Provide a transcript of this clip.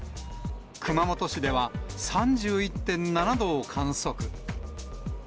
熊本市では３１．７度を観測。